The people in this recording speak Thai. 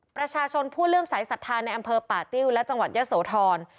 ประชาชนผู้เลื่อมสายศรัทธาในอำเภอป่าติ้วและจังหวัดยะโสธร